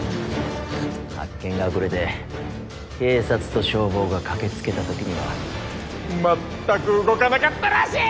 発見が遅れて警察と消防が駆けつけた時には全く動かなかったらしい！